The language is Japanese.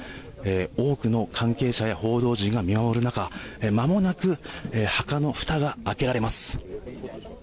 多くの関係者や報道陣が見守る中まもなく墓のふたが開けられます。